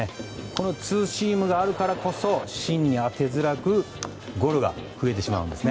このツーシームがあるからこそ芯に当てづらくゴロが増えてしまうんです。